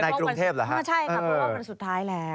ในกรุงเทพฯเหรอครับใช่ครับว่าวันสุดท้ายแล้ว